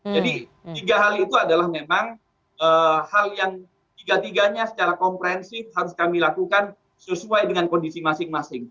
jadi tiga hal itu adalah memang hal yang tiga tiganya secara komprehensif harus kami lakukan sesuai dengan kondisi masing masing